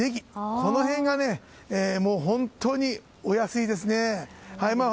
この辺が本当にお安いですね。